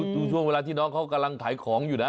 ดูช่วงเวลาที่น้องเขากำลังขายของอยู่นะ